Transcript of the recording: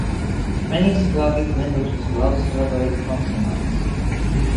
Many Slavic languages allow syllabic consonants.